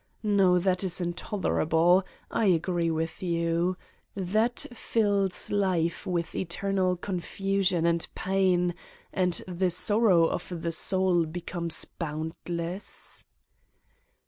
No, that is intolerable. I agree with you. That fills life with eternal confusion and pain and the sorrow of the soul becomes boundless.